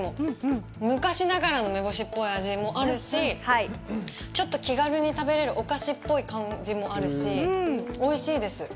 昔ながらの梅干しっぽい味もあるし、ちょっと気軽に食べられるお菓子っぽい感じもあるし、おいしいです。